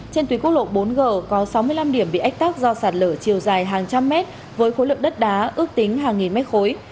trên tuyến quốc lộ bốn g có sáu mươi năm điểm bị ách tắc do sạt lở chiều dài hàng trăm mét với khối lượng đất đá ước tính hàng nghìn mét khối